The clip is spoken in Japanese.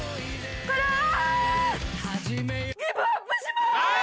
ギブアップします！